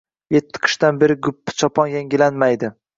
Yetti qishdan beri guppi-chopon” yangilanmaydi.